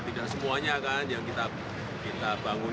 tidak semuanya kan yang kita bangun